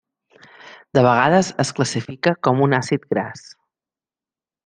De vegades es classifica com un àcid gras.